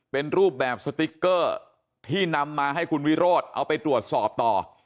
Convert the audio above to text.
เป็นรูปแบบสติ๊กเกอร์ที่นำมาให้คุณวิโรธเอาไปตรวจสอบต่อ